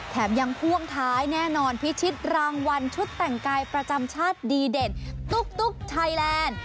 แถมยังพ่วงท้ายแน่นอนพิชิตรางวัลชุดแต่งกายประจำชาติดีเด่นตุ๊กไทยแลนด์